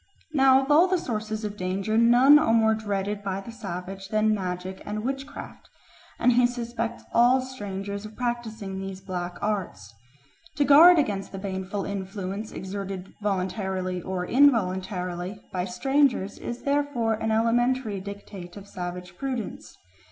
Now of all sources of danger none are more dreaded by the savage than magic and witchcraft, and he suspects all strangers of practising these black arts. To guard against the baneful influence exerted voluntarily or involuntarily by strangers is therefore an elementary dictate of savage prudence.